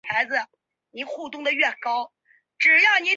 先前，有一个读书人住在古庙里用功